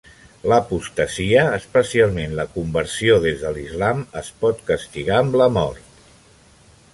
L'apostasia, especialment la conversió des de l'islam, es pot castigar amb la mort.